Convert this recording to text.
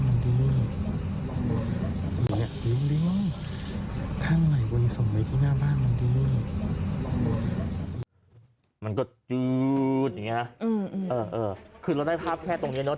มันก็จืดอย่างนี้นะคือเราได้ภาพแค่ตรงนี้เนอ